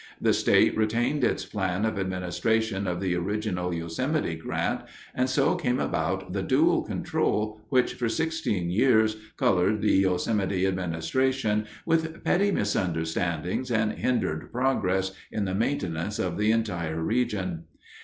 The state retained its plan of administration of the original Yosemite Grant, and so came about the dual control which for sixteen years colored the Yosemite administration with petty misunderstandings and hindered progress in the maintenance of the entire region.